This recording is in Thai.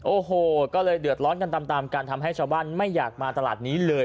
โอ้โหก็เลยเดือดร้อนกันตามตามกันทำให้ชาวบ้านไม่อยากมาตลาดนี้เลย